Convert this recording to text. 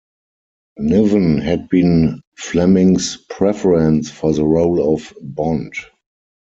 Niven had been Fleming's preference for the role of Bond.